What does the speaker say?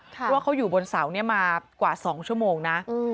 เพราะว่าเขาอยู่บนเสานี้มากว่า๒ชั่วโมงนะ